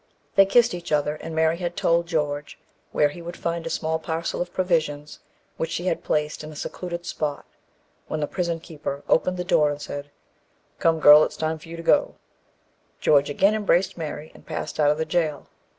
They had kissed each other, and Mary had told George where he would find a small parcel of provisions which she had placed in a secluded spot, when the prison keeper opened the door and said, "Come, girl, it is time for you to go." George again embraced Mary, and passed out of the jail.